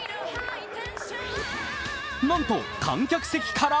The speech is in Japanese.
なんと観客席から。